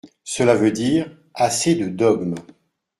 Cela veut dire : Assez de dogmes.